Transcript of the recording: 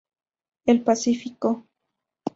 El Pacífico.